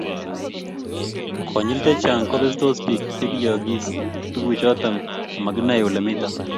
konyil chechang kobetsot biik chegiyoogiis tuguchoto amaginae olemito